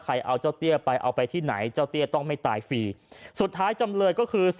เอาเจ้าเตี้ยไปเอาไปที่ไหนเจ้าเตี้ยต้องไม่ตายฟรีสุดท้ายจำเลยก็คือ